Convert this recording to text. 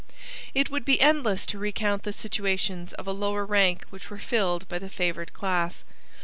It would be endless to recount the situations of a lower rank which were filled by the favoured class.